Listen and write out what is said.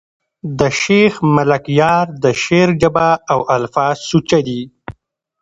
د شېخ ملکیار د شعر ژبه او الفاظ سوچه دي.